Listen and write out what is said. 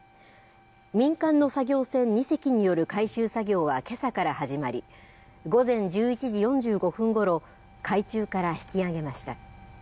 民間の作業船２隻による回収作業はけさから始まり、午前１１時４５分ごろ、海中から引き揚げました。